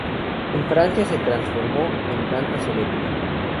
En Francia se transformó en una danza solemne.